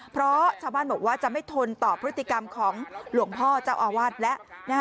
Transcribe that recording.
เพราะชาวบ้านบอกว่าจะไม่ทนต่อพฤติกรรมของหลวงพ่อเจ้าอาวาสแล้ว